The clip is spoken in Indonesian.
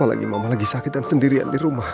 apalagi mama lagi sakit dan sendirian di rumah